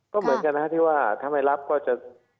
ก็เหมือนกันนะครับที่ว่าถ้าไม่รับก็จะ